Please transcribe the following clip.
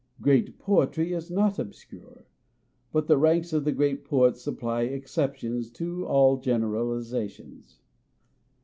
Great poetry is not obscure ; but the ranks of the great poets supply exceptions to all generalizations.